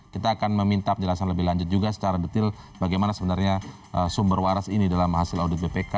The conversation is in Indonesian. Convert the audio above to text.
kita akan meminta penjelasan lebih lanjut juga secara detail bagaimana sebenarnya sumber waras ini dalam hasil audit bpk